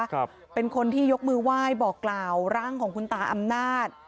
ครับเป็นคนที่ยกมือไหว้บอกกล่าวร่างของคุณตาอำนาจ